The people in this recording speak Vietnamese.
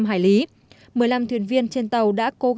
một mươi năm thuyền viên trên tàu đã cố gắng tìm kiếm cứu nạn hàng hải phòng